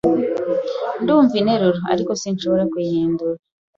Ndumva interuro, ariko sinshobora kuyihindura.